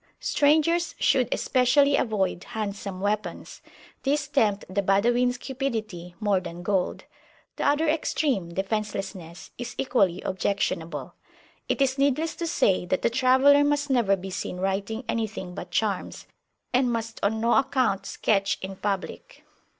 Strangers should especially avoid handsome weapons; these tempt the Badawins cupidity more than gold. The other extreme, defencelessness, is equally objectionable. It is needless to say that the traveller must never be seen writing anything but charms, and must on no account sketch in public.